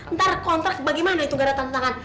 ntar kontrak bagaimana itu gak ada tantangan